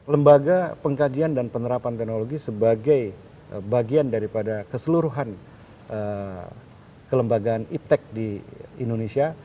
lembaga pengkajian dan penerapan teknologi sebagai bagian daripada keseluruhan kelembagaan iptec di indonesia